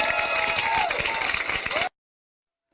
เพื่อยุดยั้งการสืบทอดอำนาจของขอสอชอต่อและยังพร้อมจะเป็นนายกรัฐมนตรี